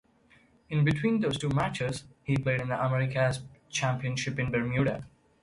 In between those two matches, he played in the Americas Championship in Bermuda.